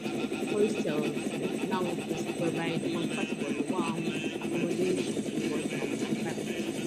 Hostels now provide comfortable, warm accommodation in both dorm and private rooms.